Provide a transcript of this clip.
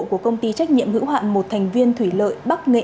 của công ty trách nhiệm hữu hạn một thành viên thủy lợi bắc nghệ